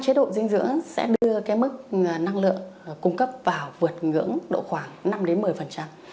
chế độ dinh dưỡng sẽ đưa cái mức năng lượng cung cấp vào vượt ngưỡng độ khoảng năm đến một mươi